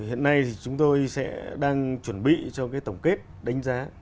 hiện nay thì chúng tôi sẽ đang chuẩn bị cho cái tổng kết đánh giá